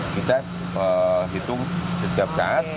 kita hitung setiap saat